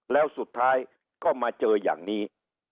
แล้วสุดท้ายก็มาเจออย่างนี้